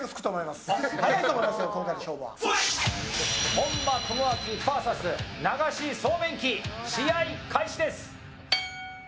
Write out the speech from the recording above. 本間朋晃ＶＳ流しそうめん器試合開始です！